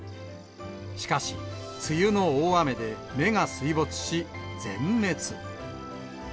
しかし、梅雨の大雨で芽が水没し、全滅。